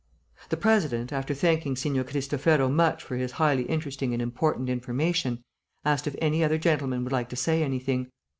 The President, after thanking Signor Cristofero much for his highly interesting and important information, asked if any other gentleman would like to say anything.